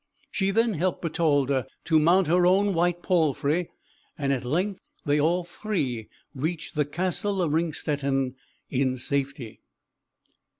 She then helped Bertalda to mount her own white palfrey, and at length they all three reached the Castle of Ringstetten in safety.